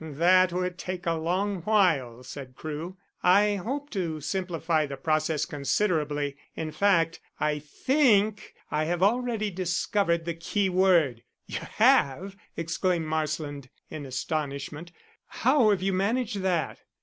"That would take a long while," said Crewe. "I hope to simplify the process considerably. In fact, I think I have already discovered the keyword." "You have!" exclaimed Marsland, in astonishment. "How have you managed that?"